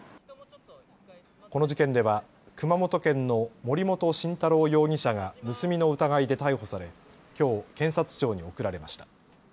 この事件では熊本県の森本晋太郎容疑者が盗みの疑いで逮捕され、きょう検察庁に送られました。